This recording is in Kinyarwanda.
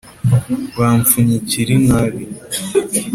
bamfunyikira inabi!